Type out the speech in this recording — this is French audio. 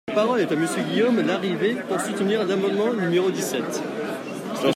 La parole est à Monsieur Guillaume Larrivé, pour soutenir l’amendement numéro dix-sept.